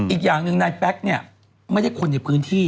อีกอย่างหนึ่งนายแป๊กไม่ได้ควรอยู่ในพื้นที่